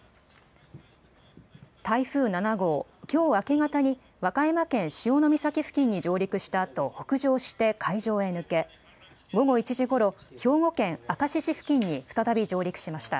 台風７号、きょう明け方に和歌山県潮岬付近に上陸したあと北上して海上へ抜け、午後１時ごろ、兵庫県明石市付近に再び上陸しました。